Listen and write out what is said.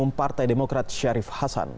ketua umum partai demokrat syarif hasan